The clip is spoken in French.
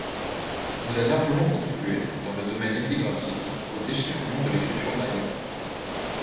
Il a largement contribué, dans le domaine épigraphique, au déchiffrement de l'écriture maya.